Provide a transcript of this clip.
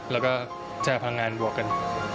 แล้วก็จะพังงานบวกกัน